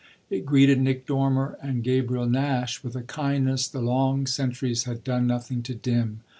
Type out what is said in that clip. It greeted Nick Dormer and Gabriel Nash with a kindness the long centuries had done nothing to dim.